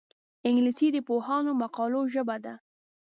انګلیسي د پوهانو مقالو ژبه ده